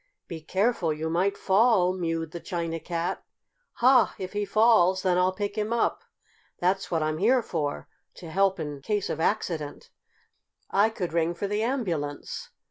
"Be careful! You might fall!" mewed the China Cat. "Ha! If he falls, then I'll pick him up! That's what I'm here for, to help in case of accident. I could ring for the ambulance!"